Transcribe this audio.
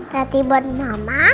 berarti buat mama